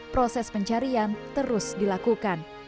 proses pencarian terus dilakukan